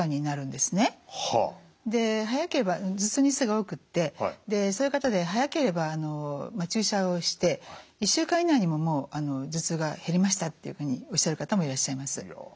早ければ頭痛日数が多くってそういう方で早ければ注射をして１週間以内にもう頭痛が減りましたっていうふうにおっしゃる方もいらっしゃいます。